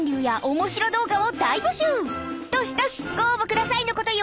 どしどしご応募くださいのことよ！